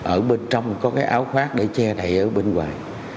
ở bên trong có cái áo khoác để che đậy ở bên ngoài